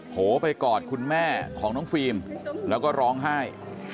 โหไปกอดคุณแม่ของน้องฟิล์มแล้วก็ร้องไห้